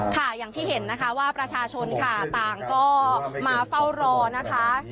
ค่ะอย่างที่เห็นนะคะว่าประชาชนค่ะต่างก็มาเฝ้ารอนะคะ